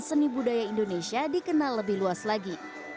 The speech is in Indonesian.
seni budaya indonesia dikenal lebih luas lagi